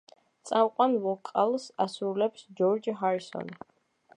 წამყვან ვოკალს ასრულებს ჯორჯ ჰარისონი.